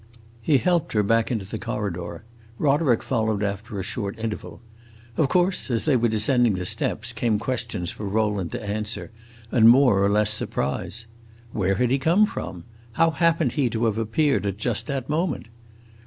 He helped her back into the corridor; Roderick followed after a short interval. Of course, as they were descending the steps, came questions for Rowland to answer, and more or less surprise. Where had he come from? how happened he to have appeared at just that moment?